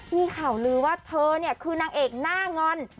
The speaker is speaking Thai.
มีข่าวลือว่าเธอเนี่ยคือนางเอกหน้างอน